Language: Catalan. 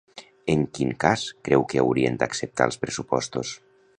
En quin cas creu que haurien d'acceptar els pressupostos?